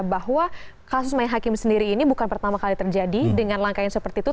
bahwa kasus main hakim sendiri ini bukan pertama kali terjadi dengan langkah yang seperti itu